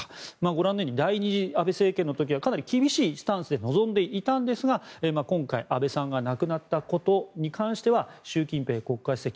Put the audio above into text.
ご覧のように第２次安倍政権の時はかなり厳しいスタンスで臨んでいたんですが今回、安倍さんが亡くなったことに関しては習近平国家主席